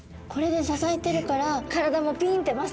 これで支えてるから体もピンッて